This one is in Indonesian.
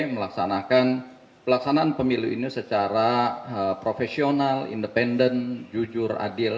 melaksanakan pelaksanaan pemilu ini secara profesional independen jujur adil